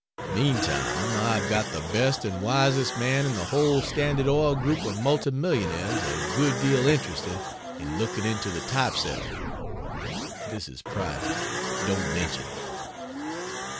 Meantime I have got the best and wisest man in the whole Standard Oil group of mufti millionaires a good deal interested in looking into the type setter (this is private, don't mention it.)